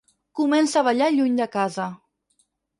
Comença a ballar lluny de casa.